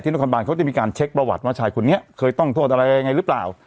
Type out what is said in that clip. นครบานเขาจะมีการเช็คประวัติว่าชายคนนี้เคยต้องโทษอะไรยังไงหรือเปล่า